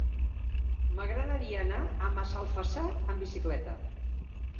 M'agradaria anar a Massalfassar amb bicicleta.